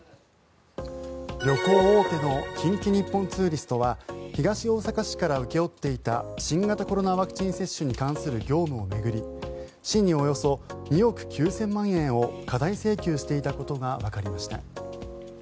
旅行大手の近畿日本ツーリストは東大阪市から請け負っていた新型コロナワクチン接種に関する業務を巡り市におよそ２億９０００万円を過大請求していたことがわかりました。